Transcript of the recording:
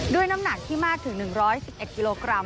น้ำหนักที่มากถึง๑๑๑กิโลกรัม